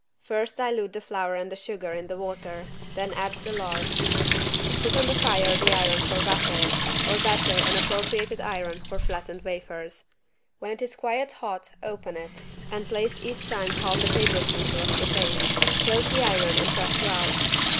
First dilute the flour and the sugar in the water, then add the lard. Put on the fire the iron for waffles or better an appropriated iron for flattened wafers. When it is quite hot open it and place each time half a tablespoonful of the paste. Close the iron and press well.